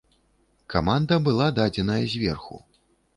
Каманда была дадзеная зверху.